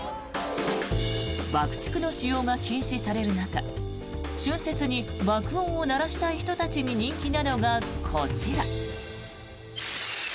爆竹の使用が禁止される中春節に爆音を鳴らしたい人たちに人気なのがこちら。